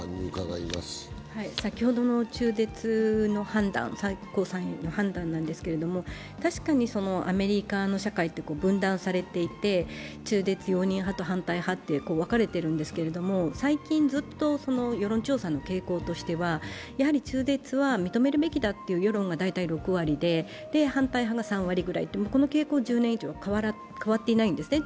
先ほどの中絶の最高裁の判断なんですけれども確かにアメリカの社会って分断されていて、中絶容認派と反対派に分かれているんですけど、最近ずっと世論調査の傾向としては、やはり中絶は認めるべきだという世論が大体６割で反対派が３割ぐらい、その傾向は大体１０年ぐらい変わってないんですね。